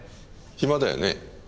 暇だよね？